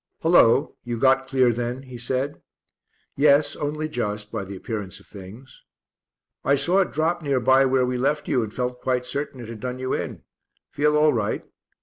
"Hullo! you got clear then?" he said. "Yes, only just, by the appearance of things." "I saw it drop near by where we left you and felt quite certain it had done you in. Feel all right?"